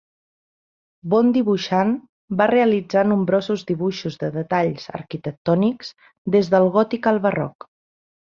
Bon dibuixant, va realitzar nombrosos dibuixos de detalls arquitectònics, des del gòtic al barroc.